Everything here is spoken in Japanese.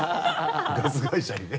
ガス会社にね。